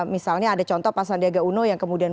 misalnya ada contoh pasandega uno yang kemudian